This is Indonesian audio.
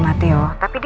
masa kita gitu